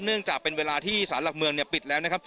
เนื่องจากเป็นเวลาที่สารหลักเมืองปิดแล้วนะครับ